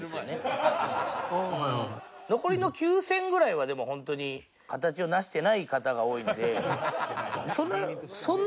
残りの９０００ぐらいはでも本当に形を成してない方が多いので。